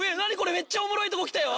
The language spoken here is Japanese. めっちゃおもろいとこ来たよ！